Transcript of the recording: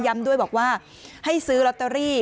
ด้วยบอกว่าให้ซื้อลอตเตอรี่